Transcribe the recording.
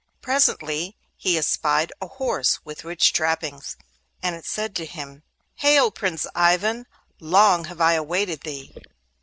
Presently he espied a horse with rich trappings, and it said to him: 'Hail, Prince Ivan! Long have I awaited thee!